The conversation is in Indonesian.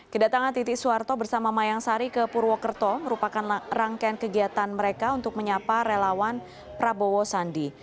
kedatangan titik suharto bersama mayang sari ke purwokerto merupakan rangkaian kegiatan mereka untuk menyapa relawan prabowo sandi